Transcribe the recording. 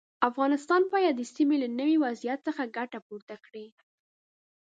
افغانستان باید د سیمې له نوي وضعیت څخه ګټه پورته کړي.